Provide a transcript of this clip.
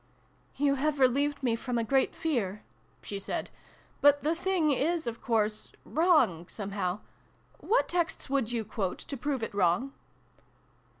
" You have relieved me from a great fear," she said ;" but the thing is of course wrong, somehow. What texts would you quote, to prove it wrong